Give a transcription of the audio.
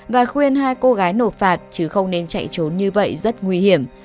và khuyên hai cô gái nộp phạt chứ không nên chạy trốn như vậy rất nguy hiểm